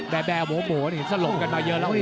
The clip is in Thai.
แบบแบบโหสลงกันมาเยอะแล้ว